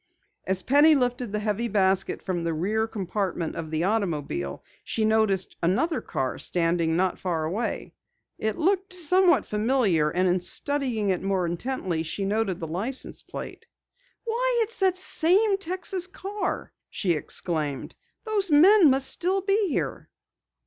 As Penny lifted the heavy basket from the rear compartment of the automobile, she noticed another car standing not far away. It looked somewhat familiar and in studying it more intently she noted the license plate. "Why, it's that same Texas car!" she exclaimed. "Those men must still be here."